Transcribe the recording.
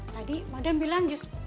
tadi madam bilang jus